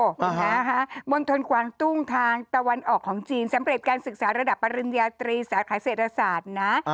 มณฑลกวางตุ้งทางตะวันออกของจีนสำเร็จการศึกษาระดับปริญญาตรีสาขาเศรษฐศาสตร์นะ